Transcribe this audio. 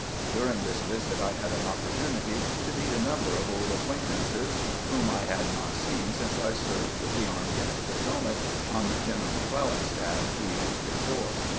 During this visit I had an opportunity to meet a number of old acquain tances whom I had not seen since I served with the Army of the Potomac on General McCleUan's staff two years before.